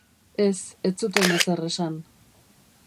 Ez, ez zuten ezer esan.